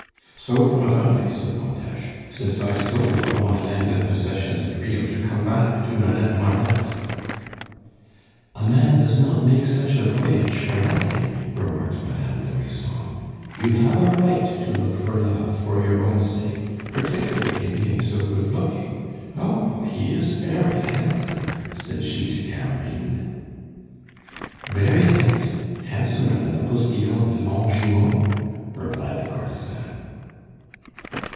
"So thought I," said Montes, "since I sold all my land and possessions at Rio to come back to Madame Marneffe." "A man does not make such a voyage for nothing," remarked Madame Nourrisson. "You have a right to look for love for your own sake, particularly being so good looking. Oh, he is very handsome!" said she to Carabine. "Very handsome, handsomer than the Postillon de Longjumeau," replied the courtesan.